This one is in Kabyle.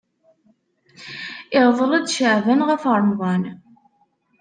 Iɣḍel-d Caɛban ɣef Ṛemḍan.